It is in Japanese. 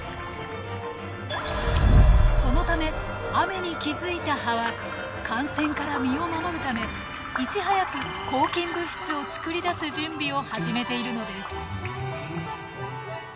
そのため雨に気付いた葉は感染から身を守るためいち早く抗菌物質を作り出す準備を始めているのです。